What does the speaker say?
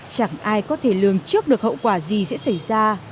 chẳng ai có thể lường trước được hậu quả gì sẽ xảy ra